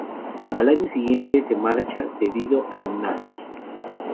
Al año siguiente se marcha cedido Al Nasr.